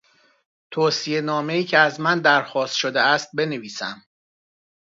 توصیه نامهای که از من درخواست شده است بنویسم